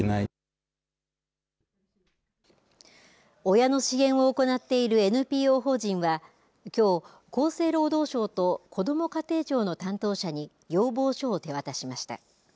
親の支援を行っているＮＰＯ法人はきょう、厚生労働省とこども家庭庁の担当者に要望書を手渡しました。